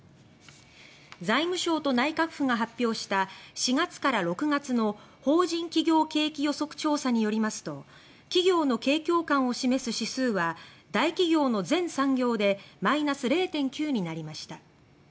財務省と内閣府が発表した４月から６月の法人企業景気予測調査によりますと企業の景況感を示す指数は大企業の全産業でマイナス０．９になりました。